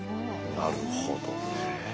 なるほどね。はあ。